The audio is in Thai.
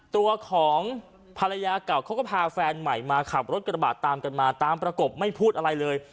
ตัวของภรรยาเก่าเขาก็พาแฟนใหม่มาขับรถกระบาดตามกันมาตามประกบไม่พูดอะไรเลย